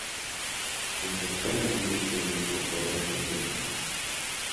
Aunque actualmente queden pocos restos de lo que fue.